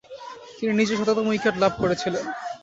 তিনি নিজের শততম উইকেট লাভ করেছিলেন।